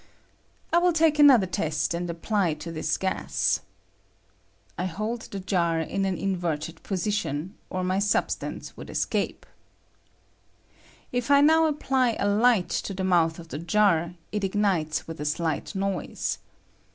I will take an other test and apply to this gas. (I hold the A 62 PBODUCT OF DECOMPOSITION OF STEAM. jar in aa inverted position, or my substance .would escape.) If I now apply a light to the I mouth of the jar, it ignites with a shght noise.